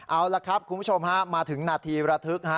เอาละครับคุณผู้ชมฮะมาถึงนาทีระทึก